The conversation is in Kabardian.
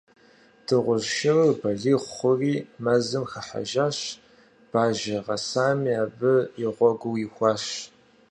Дыгъужь шырыр балигъ хъури, мэзым хыхьэжащ, бажэ гъэсами абы и гъуэгур ихуащ.